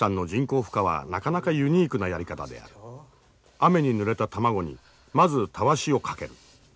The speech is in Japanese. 雨に濡れた卵にまずたわしをかける。